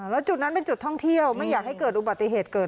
แล้วจุดนั้นเป็นจุดท่องเที่ยวไม่อยากให้เกิดอุบัติเหตุเกิด